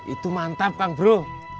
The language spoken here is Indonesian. itu mantap kang bro